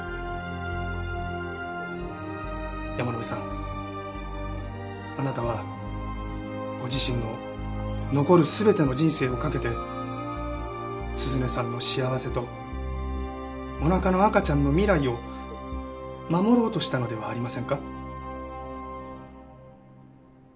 山野辺さんあなたはご自身の残る全ての人生をかけて涼音さんの幸せとお腹の赤ちゃんの未来を守ろうとしたのではありませんか？